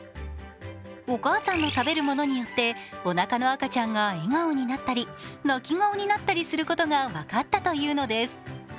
お母さんの食べるものによっておなかの赤ちゃんが笑顔になったり泣き顔になったりすることが分かったというのです。